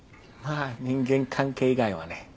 まあ人間関係以外はね。